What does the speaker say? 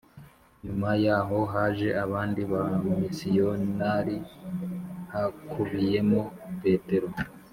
Nyuma yaho haje abandi bamisiyonari hakubiyemo Petero